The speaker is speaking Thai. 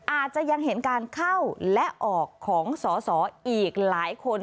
อาจจะยังเห็นการเข้าและออกของสอสออีกหลายคน